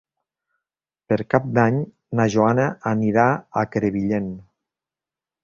Per Cap d'Any na Joana anirà a Crevillent.